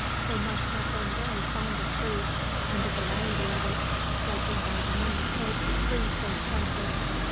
They must have been very fond of fruit, and a variety of it judging by the many sorts of trees they've planted."